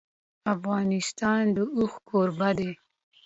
افغانستان د اوښ کوربه دی.